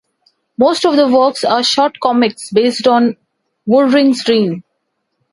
Most of the works are short comics based on Woodring's dreams.